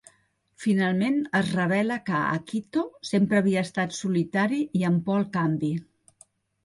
Finalment, es revela que Akito sempre havia estat solitari i amb por al canvi.